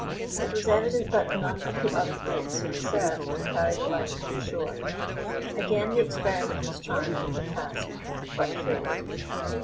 It was evident that none of the other boats would serve to carry the line on shore. Again the experiment was tried with a cask, but failed.